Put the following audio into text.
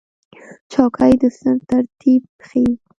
چوکۍ د صنف ترتیب ښیي.